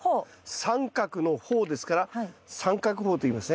三角のホーですから三角ホーといいますね。